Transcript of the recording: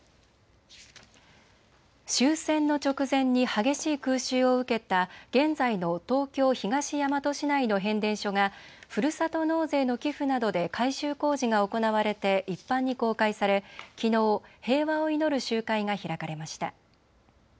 終戦の直前に激しい空襲を受けた現在の東京東大和市内の変電所がふるさと納税の寄付などで改修工事が行われて一般に公開され、きのう平和を祈る集会が開かれました。